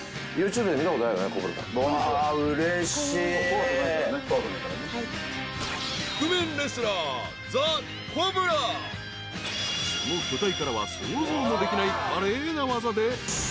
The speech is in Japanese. ［その巨体からは想像もできない華麗な技で］